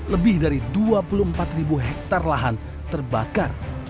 lebih dari dua puluh empat ribu hektare lahan terbakar